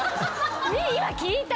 今聞いた？